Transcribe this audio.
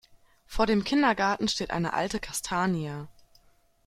Vor dem Kindergarten steht eine alte Kastanie.